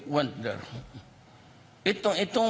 mereka pergi ke sana